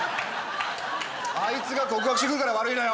あいつが告白してくるから悪いのよ